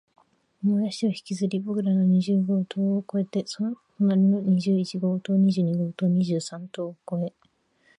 重い足を引きずり、僕らの二十号棟を越えて、その隣の二十一号棟、二十二号棟、二十三号棟を越え、